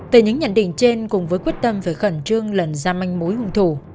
từ những nhận định trên cùng với quyết tâm phải khẩn trương lần ra manh mối hung thủ